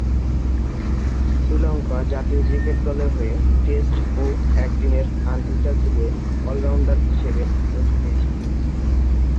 শ্রীলঙ্কা জাতীয় ক্রিকেট দলের হয়ে টেস্ট ও একদিনের আন্তর্জাতিকে অল-রাউন্ডার হিসেবে অংশ নিয়েছেন।